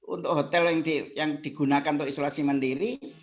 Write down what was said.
untuk hotel yang digunakan untuk isolasi mandiri